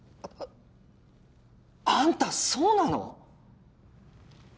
あんたそうなの！？